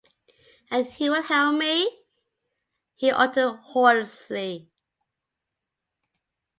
"And who will help me?" he uttered hoarsely.